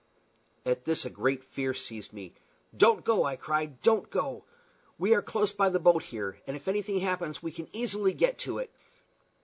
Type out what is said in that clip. At this a great fear seized me. "Don't go!" I cried "don't go! We are close by the boat here, and if anything happens we can easily get to it."